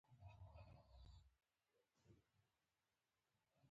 مېوې د افغانستان د تکنالوژۍ له پرمختګ سره نږدې تړاو لري.